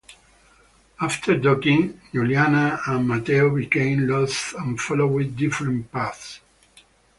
After docking, Giuliana and Matteo became lost and followed different paths.